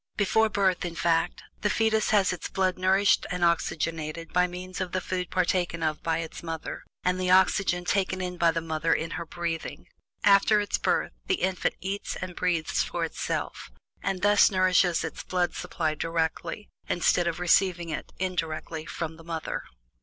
Before birth, in fact, the fetus has its blood nourished and oxygenated by means of the food partaken of by its mother, and the oxygen taken in by the mother in her breathing. After its birth, the infant eats and breathes for itself, and thus nourishes its blood supply directly, instead of receiving it indirectly from the mother.